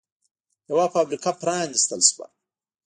یوه فابریکه پرانېستل شوه